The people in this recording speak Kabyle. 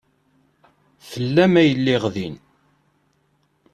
Fell-am ay lliɣ din.